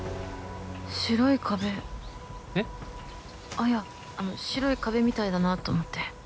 あっいやあの白い壁みたいだなと思って。